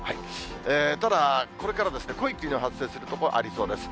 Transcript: ただこれから、濃い霧の発生する所ありそうです。